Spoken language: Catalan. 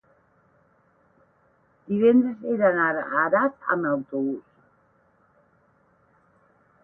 divendres he d'anar a Das amb autobús.